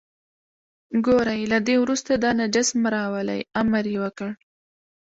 ګورئ له دې وروسته دا نجس مه راولئ، امر یې وکړ.